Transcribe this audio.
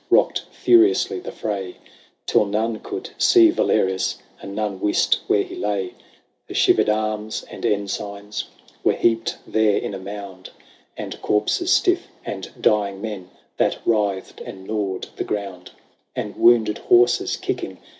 Rocked furiously the fray. Till none could see Valerius, And none wist where he lay. For shivered arms and ensigns Were heaped there in a mound. BATTLE OF THE LAKE KEGILLUS. 117 And corpses stiff, and dying men That writhed and gnawed the ground ; And wounded horses kicking.